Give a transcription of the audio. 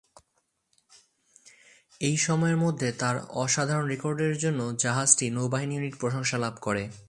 এই সময়ের মধ্যে তার অসাধারণ রেকর্ডের জন্য জাহাজটি নৌবাহিনী ইউনিট প্রশংসা লাভ করে।